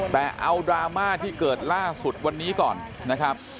แต่เอาดราม่าที่เกิดล่าสุดวันนี้ก่อนนะครับ